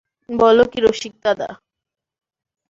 বল কী রসিকদাদা!